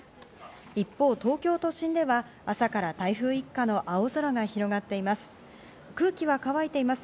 一方、東京都心では朝から台風一過の青空が広がっています。